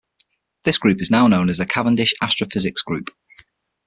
This group is now known as the Cavendish Astrophysics Group.